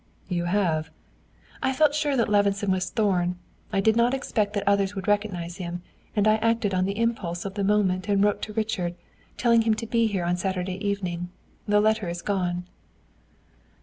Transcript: "You have?" "I felt sure that Levison was Thorn. I did not expect that others would recognize him, and I acted on the impulse of the moment and wrote to Richard, telling him to be here on Saturday evening. The letter is gone."